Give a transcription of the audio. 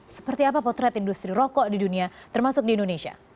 seperti apa potret industri rokok di dunia termasuk di indonesia